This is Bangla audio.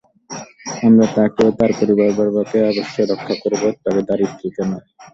আমরা তাকে ও তার পরিবারবর্গকে অবশ্যই রক্ষা করব, তবে তার স্ত্রীকে নয়।